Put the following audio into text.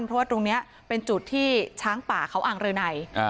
เพราะว่าตรงนี้เป็นจุดที่ช้างป่าเขาอ่างรืนัย